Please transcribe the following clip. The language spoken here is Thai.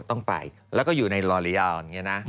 ต้องไปแล้วก็อยู่ในรอเรียล